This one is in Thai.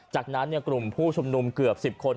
จากนั้นกลุ่มผู้ชุมนุมเกือบ๑๐คน